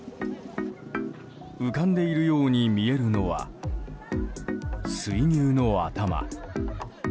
浮かんでいるように見えるのは水牛の頭。